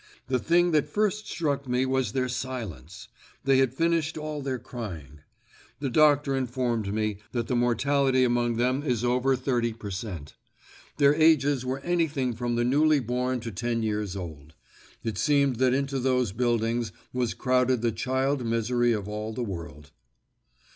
The thing that first struck me was their silence; they had finished all their crying. The doctor informed me that the mortality among them is over thirty per cent. Their ages were anything from the newly born to ten years old. It seemed that into those buildings was crowded the child misery of all the world.